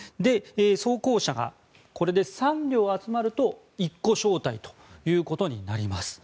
装甲車がこれで３両集まると１個小隊ということになります。